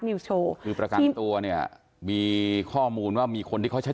นิวโชว์คือประกันตัวเนี่ยมีข้อมูลว่ามีคนที่เขาใช้